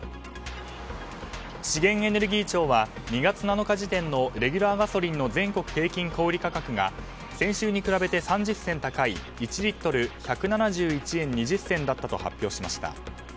資源エネルギー庁は２月７日時点のレギュラーガソリンの全国平均小売価格が先週に比べて３０銭高い１リットル１７１円２０銭だったと発表しました。